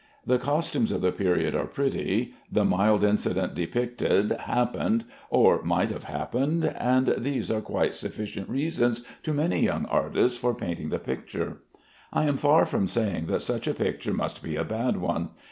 The costumes of the period are pretty, the mild incident depicted happened, or might have happened, and these are quite sufficient reasons to many young artists for painting the picture. I am far from saying that such a picture must be a bad one.